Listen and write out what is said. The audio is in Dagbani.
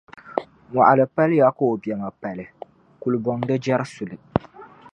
Mɔɣili paliya ka o biɛma pali; kulibɔŋ di jɛri suli.